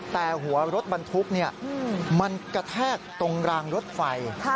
แต่หัวรถบรรทุกมันกระแทกตรงรางรถไฟ